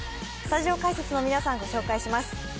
スタジオ解説の皆さんをご紹介します。